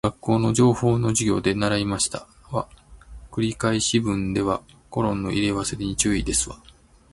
学校の情報の授業で習いましたわ。繰り返し文ではコロンの入れ忘れに注意ですわ